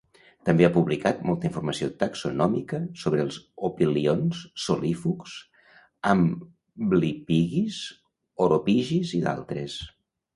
També ha publicat molta informació taxonòmica sobre els Opilions, Solífugs, Amblipigis, Uropigis i d'altres.